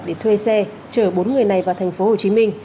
để thuê xe chở bốn người này vào tp hcm